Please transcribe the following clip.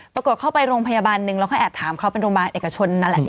เข้าไปโรงพยาบาลหนึ่งเราค่อยแอบถามเขาเป็นโรงพยาบาลเอกชนนั่นแหละ